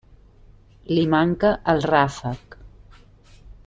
L'hi manca el ràfec.